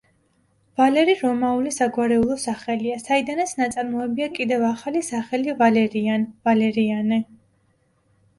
ვალერი რომაული საგვარეულო სახელია, საიდანაც ნაწარმოებია კიდევ ახალი სახელი ვალერიან, ვალერიანე.